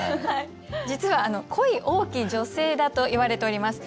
実は恋多き女性だといわれております。